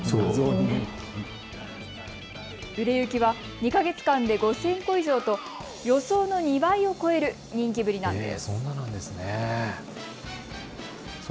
売れ行きは２か月間で５０００個以上と予想の２倍を超える人気ぶりなんです。